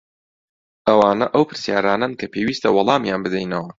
ئەوانە ئەو پرسیارانەن کە پێویستە وەڵامیان بدەینەوە.